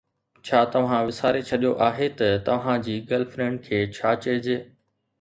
ڇا توهان وساري ڇڏيو آهي ته توهان جي گرل فرينڊ کي ڇا چئجي؟